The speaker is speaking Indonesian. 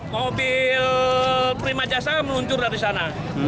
mobil prima jasa meluncur dari sana